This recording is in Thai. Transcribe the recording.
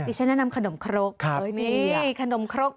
ฉันแนะนำขนมครกนี่ขนมครก